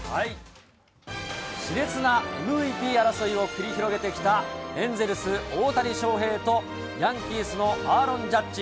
しれつなＭＶＰ争いを繰り広げてきたエンゼルス、大谷翔平と、ヤンキースのアーロン・ジャッジ。